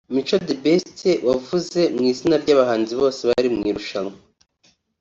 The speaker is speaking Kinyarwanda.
Mico The Best wavuze mu izina ry’abahanzi bose bari mu irushanwa